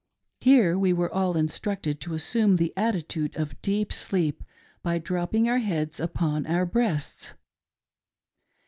Here we were all instructed to assume the attitude of deep sleep by dropping our heads upon our breasts.